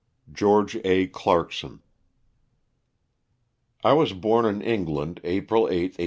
GEORGE A. CLARKSON. I WAS born in England, April 8, 1835.